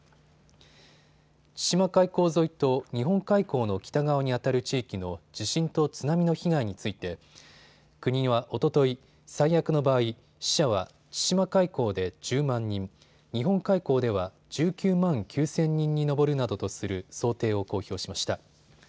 千島海溝沿いと日本海溝の北側にあたる地域の地震と津波の被害について国はおととい、最悪の場合、死者は千島海溝で１０万人、日本海溝では１９万９０００人に上るなどとする想定を公表しました。